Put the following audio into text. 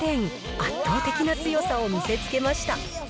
圧倒的な強さを見せつけました。